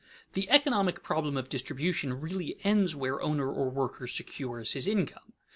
The economic problem of distribution really ends where owner or worker secures his income.